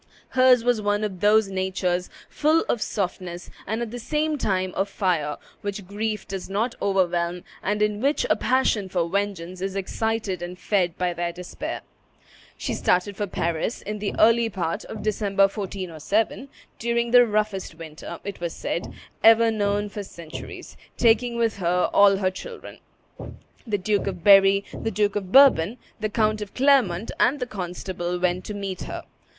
Hers was one of those natures, full of softness and at the same time of fire, which grief does not overwhelm, and in which a passion for vengeance is excited and fed by their despair. She started for Paris in the early part of December, 1407, during the roughest winter, it was said, ever known for several centuries, taking with her all her children. The Duke of Berry, the Duke of Bourbon, the Count of Clermont, and the constable went to meet her.